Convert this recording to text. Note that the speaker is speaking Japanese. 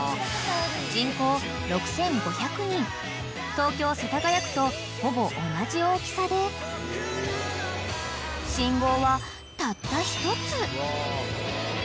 ［東京世田谷区とほぼ同じ大きさで信号はたった１つ］